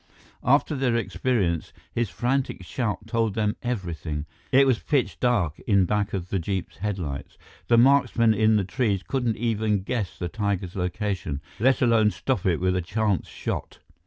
After their experience, his frantic shout told them everything. It was pitch dark in back of the jeep's headlights. The marksmen in the trees couldn't even guess the tiger's location, let alone stop it with a chance shot.